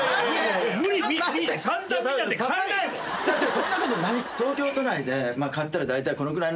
そんなことない！